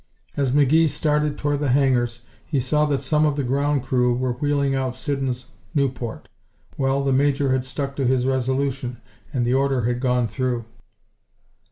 As McGee started toward the hangars he saw that some of the ground crew were wheeling out Siddons' Nieuport. Well, the Major had stuck to his resolution and the order had gone through.